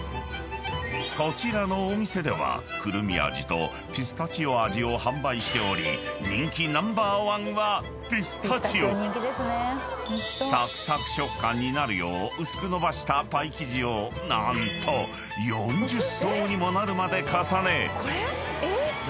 ［こちらのお店ではクルミ味とピスタチオ味を販売しており人気ナンバーワンはピスタチオ］［サクサク食感になるよう薄く延ばしたパイ生地を何と４０層にもなるまで重ね］